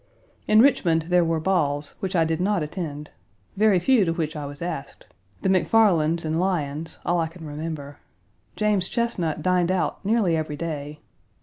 In Richmond, there were balls, which I did not attend very few to which I was asked: the MacFarlands' and Lyons's, all I can remember. James Chesnut dined out nearly every day.